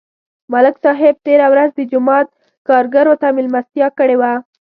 ملک صاحب تېره ورځ د جومات کارګرو ته مېلمستیا کړې وه